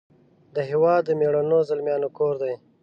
د هیواد د میړنو زلمیانو کور دی .